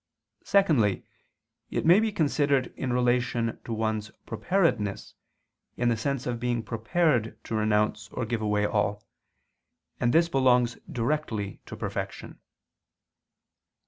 Secondly, it may be considered in relation to one's preparedness, in the sense of being prepared to renounce or give away all: and this belongs directly to perfection.